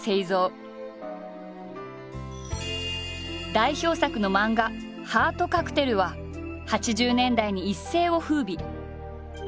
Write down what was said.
代表作の漫画「ハートカクテル」は８０年代に一世を風靡。